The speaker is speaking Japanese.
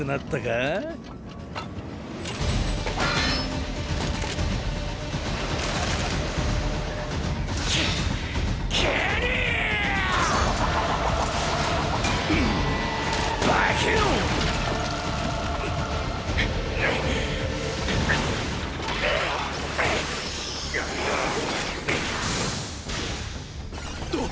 あっ！